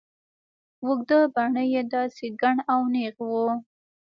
اوږده باڼه يې داسې گڼ او نېغ وو.